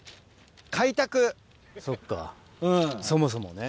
そっかそもそもね。